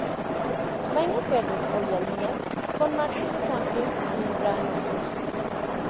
Vainas verdes o hialinas, con márgenes amplios membranosos.